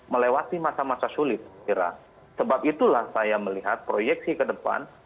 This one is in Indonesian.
melewati masa masa sulit kira sebab itulah saya melihat proyeksi ke depan